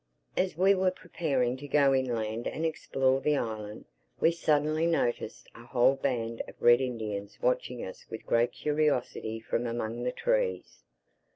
As we were preparing to go inland and explore the island, we suddenly noticed a whole band of Red Indians watching us with great curiosity from among the trees.